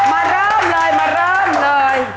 มาเริ่มเลยมาเริ่มเลย